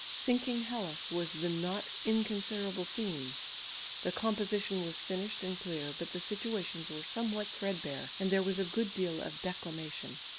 "Sinking Hellas" was the not inconsiderable theme. The composition was finished and clear, but the situations were somewhat threadbare, and there was a good deal of declamation.